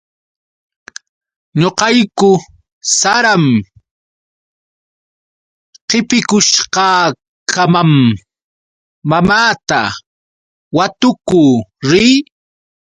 Ñuqayku saram qipikushqakamam mamaata watukuu rii.